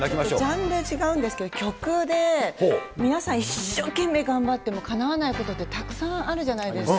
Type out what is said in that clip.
ジャンル違うんですけど、曲で、皆さん一生懸命頑張ってもかなわないことってたくさんあるじゃないですか。